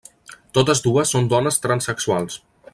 Totes dues són dones transsexuals.